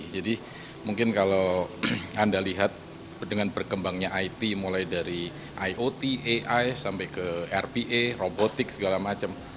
jadi mungkin kalau anda lihat dengan perkembangnya it mulai dari iot ai sampai ke rpa robotik segala macam